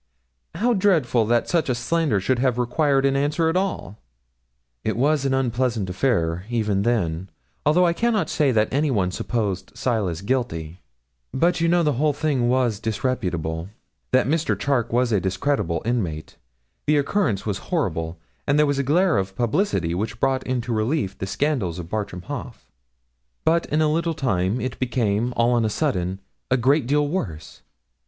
'How dreadful that such a slander should have required an answer at all!' 'It was an unpleasant affair even then, although I cannot say that anyone supposed Silas guilty; but you know the whole thing was disreputable, that Mr. Charke was a discreditable inmate, the occurrence was horrible, and there was a glare of publicity which brought into relief the scandals of Bartram Haugh. But in a little time it became, all on a sudden, a great deal worse.'